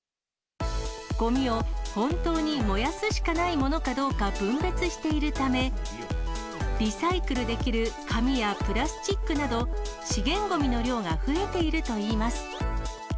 ごみを、本当に燃やすしかないものかどうか分別しているため、リサイクルできる紙やプラスチックなど、資源ごみの量が増えているといいます。